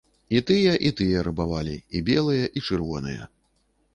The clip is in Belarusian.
І тыя, і тыя рабавалі, і белыя, і чырвоныя.